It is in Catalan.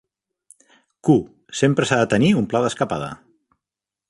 "Q": Sempre s'ha de tenir un pla d'escapada.